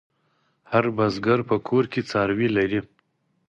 هر بزگر په کور کې څاروي لري.